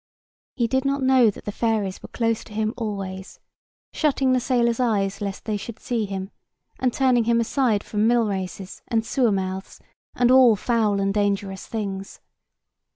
He did not know that the fairies were close to him always, shutting the sailors' eyes lest they should see him, and turning him aside from millraces, and sewer mouths, and all foul and dangerous things.